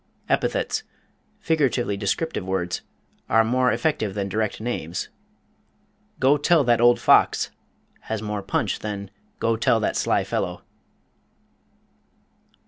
EPITHETS, figuratively descriptive words, are more effective than direct names "Go tell that old fox," has more "punch" than "Go tell that sly fellow."